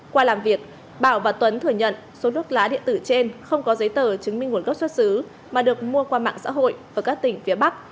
qua làm việc bảo và tuấn thừa nhận số thuốc lá điện tử trên không có giấy tờ chứng minh nguồn gốc xuất xứ mà được mua qua mạng xã hội ở các tỉnh phía bắc